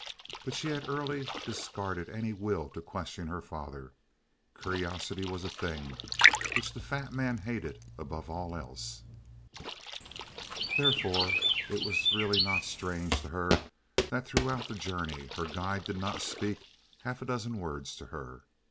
But she had early discarded any will to question her father. Curiosity was a thing which the fat man hated above all else. Therefore, it was really not strange to her that throughout the journey her guide did not speak half a dozen words to her.